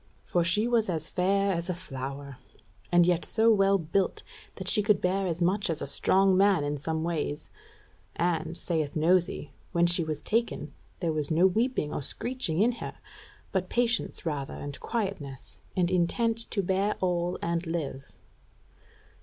For she was as fair as a flower; and yet so well built, that she could bear as much as a strong man in some ways; and, saith Nosy, when she was taken, there was no weeping or screeching in her, but patience rather and quietness, and intent to bear all and live....